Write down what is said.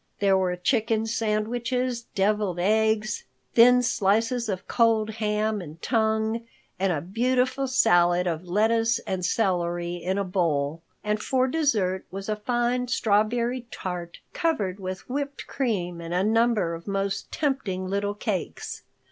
There were chicken sandwiches, deviled eggs, thin slices of cold ham and tongue, and a beautiful salad of lettuce and celery in a bowl. And for dessert was a fine strawberry tart covered with whipped cream and a number of most tempting little cakes.